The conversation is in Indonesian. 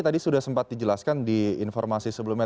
tadi sudah sempat dijelaskan di informasi sebelumnya